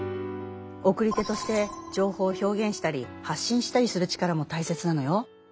送り手として情報を表現したり発信したりする力もたいせつなのよ。